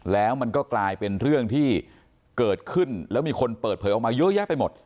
แล้วมันก็กลายเป็นเรื่องที่เกิดขึ้นแล้วมีคนเปิดเผยออกมาเยอะแยะไปหมด